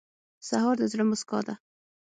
سهار د زړه موسکا ده.